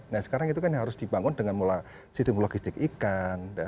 nah sekarang itu kan yang harus dibangun dengan sistem logistik ikan